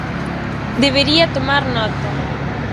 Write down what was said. Debería tomar nota.